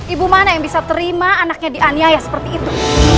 ibu mana yang bisa terima anaknya dianiaya seperti itu